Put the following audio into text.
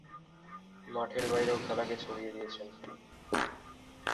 মাঠের বাইরেও খেলাকে ছড়িয়ে দিয়েছেন।